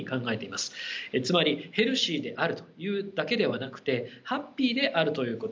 つまりヘルシーであるというだけではなくてハッピーであるということ。